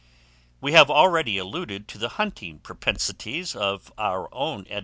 We have already alluded to the hunting propensities of our own Edward III.